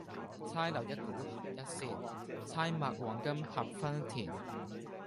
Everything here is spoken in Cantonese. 釵留一股合一扇，釵擘黃金合分鈿。